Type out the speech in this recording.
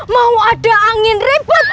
mau ada angin ribut